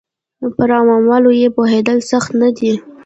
پر عواملو یې پوهېدل سخت نه دي